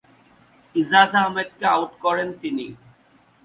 ইজাজ আহমেদকে আউট করেন তিনি।